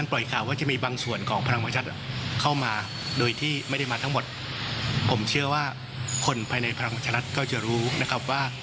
พลังประชารัฐก็จะรู้ว่า